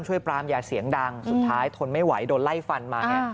ปรามอย่าเสียงดังสุดท้ายทนไม่ไหวโดนไล่ฟันมาไง